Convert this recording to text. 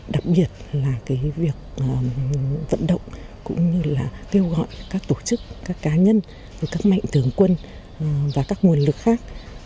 đặc biệt là việc vận động cũng như là kêu gọi các tổ chức các cá nhân các mạnh thường quân và các nguồn lực khác